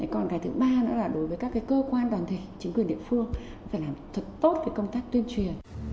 còn cái thứ ba nữa là đối với các cơ quan đoàn thể chính quyền địa phương phải làm thật tốt công tác tuyên truyền